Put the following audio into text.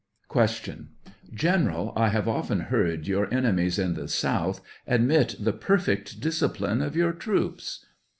Q General, I have often heard your enemies in the South admit the perfect discipline of your troops